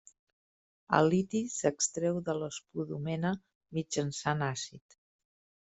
El liti s'extreu de l'espodumena mitjançant àcid.